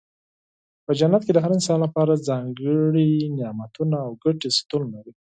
په جنت کې د هر انسان لپاره ځانګړي نعمتونه او ګټې شتون لري.